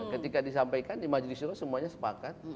ketika disampaikan di majlis syuroh semuanya sepakat